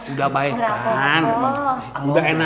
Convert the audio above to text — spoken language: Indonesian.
udah baik kan udah enakan katanya